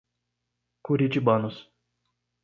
Curitibanos